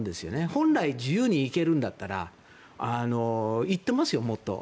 本来、自由に行けるんだったら行ってますよ、もっと。